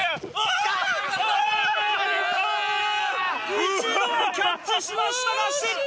一度はキャッチしましたが失敗！